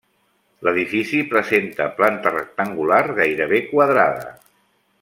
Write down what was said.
L'edifici presenta planta rectangular gairebé quadrada.